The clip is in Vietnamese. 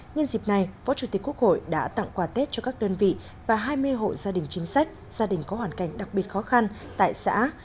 nhân dịp này phó chủ tịch quốc hội đã tặng quà tết cho các đơn vị và hai mươi hộ gia đình chính sách gia đình có hoàn cảnh đặc biệt khó khăn tại xã